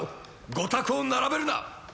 御託を並べるな！